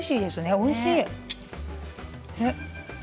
おいしい。